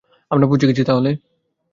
আমরা পৌছে গেছি তাহলে।